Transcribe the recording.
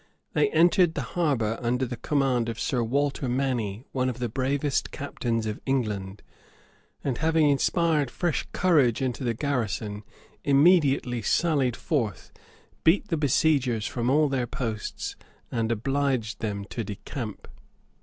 They entered the harbor under the command of Sir Walter Manny, one of the bravest captains of England: and having inspired fresh courage into the garrison, immediately sallied forth, beat the besiegers from all their posts, and obliged them to decamp. * Froissard, liv. i. chap.